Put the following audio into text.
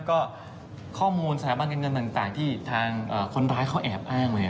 ก็ข้อมูลสถาบันเงินต่างที่ทางคนร้ายเขาแอบอ้างไว้